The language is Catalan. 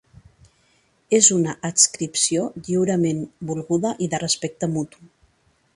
És una adscripció lliurement volguda i de respecte mutu.